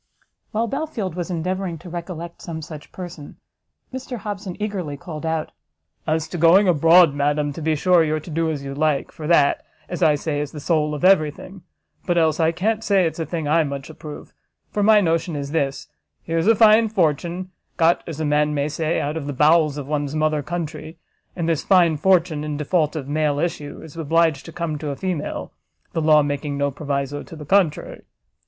While Belfield was endeavouring to recollect some such person, Mr Hobson eagerly called out "As to going abroad, madam, to be sure you're to do as you like, for that, as I say, is the soul of every thing; but else I can't say it's a thing I much approve; for my notion is this: here's a fine fortune, got as a man may say, out of the bowels of one's mother country, and this fine fortune, in default of male issue, is obliged to come to a female, the law making no proviso to the contrary.